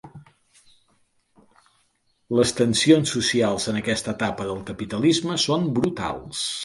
Les tensions socials en aquesta etapa del capitalisme són brutals.